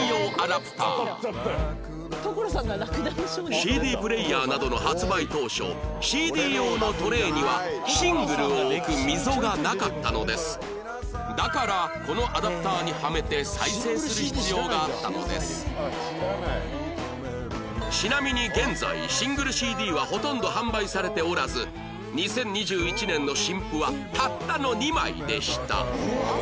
ＣＤ プレーヤーなどの発売当初 ＣＤ 用のトレーにはだからこのちなみに現在シングル ＣＤ はほとんど販売されておらず２０２１年の新譜はたったの２枚でした